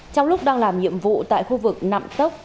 trong lúc đang làm nhiệm vụ tại khu vực nạm tốc